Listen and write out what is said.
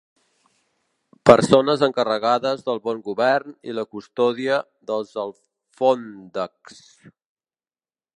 Persones encarregades del bon govern i la custòdia dels alfòndecs.